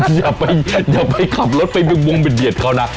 ขุนอย่าไปอย่ากลับรถไปเบิ่งบวงเบ่นเบียดของเธอนะ